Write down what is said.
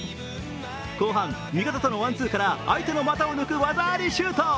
後半、味方とのワン・ツーから相手の股を抜く技ありシュート。